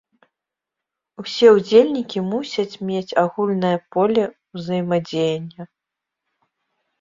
Усе ўдзельнікі мусяць мець агульнае поле ўзаемадзеяння.